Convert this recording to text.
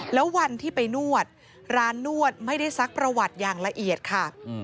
แล้ววันที่ไปนวดร้านนวดไม่ได้ซักประวัติอย่างละเอียดค่ะ